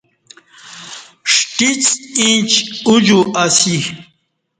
ݜٹیڅ انچ اُوجو اسی